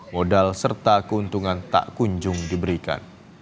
modal serta keuntungan tak kunjung diberikan